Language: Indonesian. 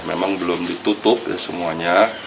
memang belum ditutup semuanya